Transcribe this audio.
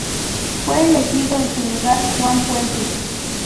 Fue elegido en su lugar Juan Puente.